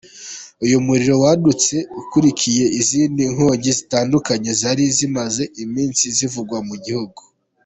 Uyu muriro wadutse ukurikiye izindi nkongi zitandukanye zari zimaze iminsi zivugwa mu gihugu.